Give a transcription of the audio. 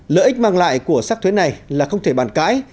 lợi ích mang lại của sắc thuế này là không thể bàn cãi